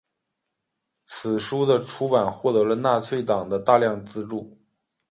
此书的出版获得了纳粹党的大量资助。